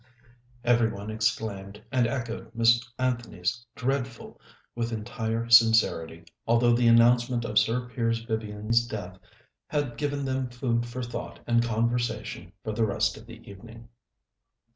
Every one exclaimed, and echoed Miss Anthony's "dreadful!" with entire sincerity, although the announcement of Sir Piers Vivian's death had given them food for thought and conversation for the rest of the evening.